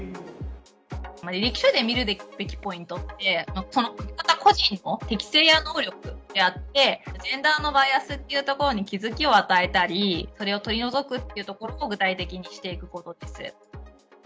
履歴書で見るべきポイントって、本当は個人の適正や能力であって、ジェンダーのバイアスというところに気付きを与えたり、それを取り除くというところも具体的にしていくことです。